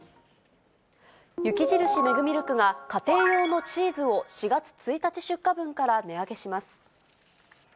雪印メグミルクが、家庭用のチーズを４月１日出荷分から値上げします。